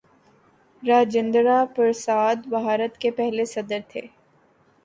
راجندرہ پرساد بھارت کے پہلے صدر تھے.